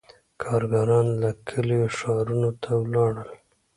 • کارګران له کلیو ښارونو ته ولاړل.